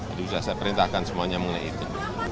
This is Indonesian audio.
itu sudah saya perintahkan semuanya mengenai itu